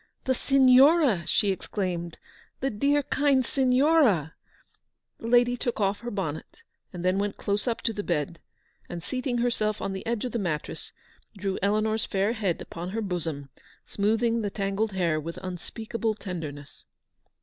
"The Signora!" she exclaimed, "the dear, kind Signora V* The lady took off her bonnet, and then went close up to the bed, and seating herself on the edge of the mattress, drew Eleanor's fair head upon her bosom, smoothing the tangled hair with unspeakable tenderness.